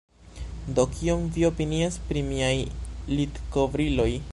Do, kion vi opinias pri miaj litkovriloj?